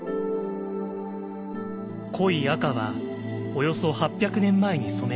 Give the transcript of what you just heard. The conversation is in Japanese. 濃い赤はおよそ８００年前に染められたもの。